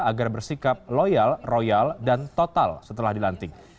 agar bersikap loyal royal dan total setelah dilantik